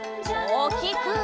おおきく！